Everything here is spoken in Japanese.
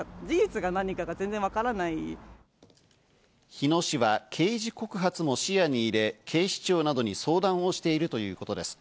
日野市は刑事告発も視野に入れ、警視庁などに相談をしているということです。